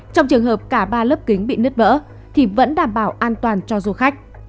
trong trường hợp cả ba lớp kính bị nứt vỡ thì vẫn đảm bảo an toàn cho du khách